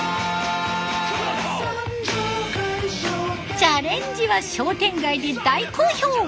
チャレンジは商店街で大好評。